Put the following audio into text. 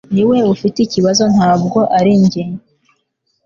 niwe ufite ikibazo ntabwo ari njye